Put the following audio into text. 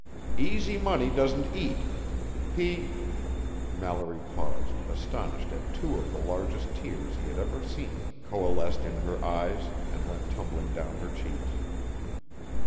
"Easy Money doesn't eat. He " Mallory paused astonished as two of the largest tears he had ever seen coalesced in her eyes and went tumbling down her cheeks.